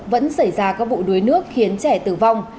vẫn xảy ra các vụ đuối nước khiến trẻ tử vong